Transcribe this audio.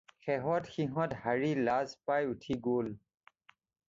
শেহত সিহঁত হাৰি লাজ পাই উঠি গ'ল।